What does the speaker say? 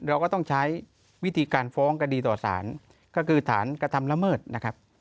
เราก็ต้องใช้วิธีการฟ้องคดีต่อสารก็คือฐานกระทำละเมิดนะครับ